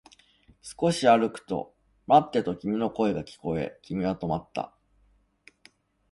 少し歩くと、待ってと君の声が聞こえ、君は止まった